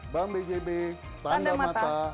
bank bjb tanda mata